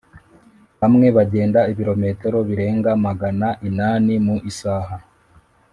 bamwe bagenda ibirometero birenga magana inani mu isaha.